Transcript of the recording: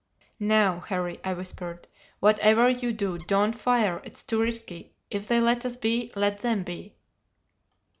"'Now, Harry,' I whispered, 'whatever you do don't fire, it's too risky. If they let us be, let them be.